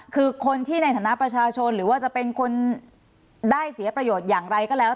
คือคนที่ในฐานะประชาชนหรือว่าจะเป็นคนได้เสียประโยชน์อย่างไรก็แล้ว